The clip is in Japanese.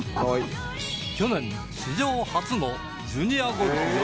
去年史上初のジュニアゴルフ４